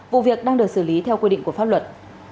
vụ việc đang được xử lý theo quy định của pháp luật